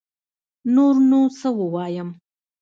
نور نو سه ووايم